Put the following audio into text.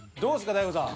大悟さん。